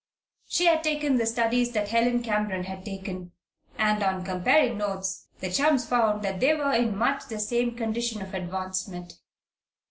She had taken the studies that Helen Cameron had taken, and, on comparing notes, the chums found that they were in much the same condition of advancement.